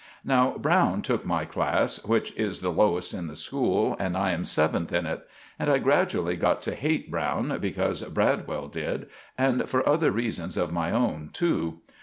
Now Browne took my class, which is the lowest in the school, and I am seventh in it. And I gradually got to hate Browne, because Bradwell did, and for other reesons of my own to.